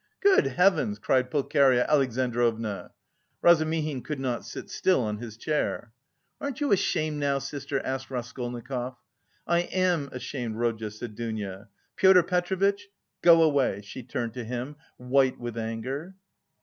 "Good heavens!" cried Pulcheria Alexandrovna. Razumihin could not sit still on his chair. "Aren't you ashamed now, sister?" asked Raskolnikov. "I am ashamed, Rodya," said Dounia. "Pyotr Petrovitch, go away," she turned to him, white with anger.